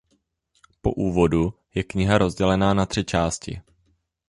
Po úvodu je kniha rozdělená na tři části.